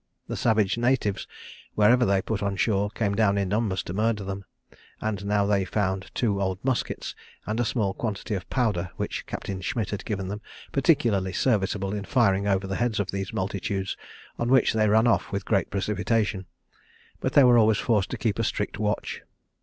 The savage natives, wherever they put on shore, came down in numbers to murder them; and they now found two old muskets, and a small quantity of powder which Captain Schmidt had given them, particularly serviceable in firing over the heads of these multitudes, on which they ran off with great precipitation; but they were always forced to keep a strict watch.